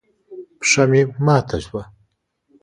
پښه مې ماته شوه.